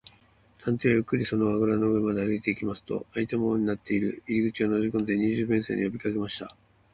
探偵はゆっくりその穴ぐらの上まで歩いていきますと、あいたままになっている入り口をのぞきこんで、二十面相によびかけました。